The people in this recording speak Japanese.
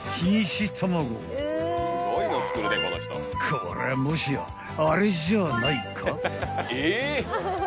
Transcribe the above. ［これはもしやあれじゃないか？］